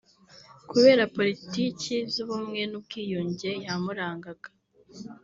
kubera politiki y’ubumwe n’ubwiyunge yamurangaga